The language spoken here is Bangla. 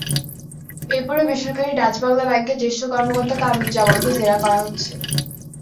এরপরই বেসরকারি ডাচ বাংলা ব্যাংকের জ্যেষ্ঠ কর্মকর্তা কামরুজ্জামানকে জেরা করা হচ্ছে।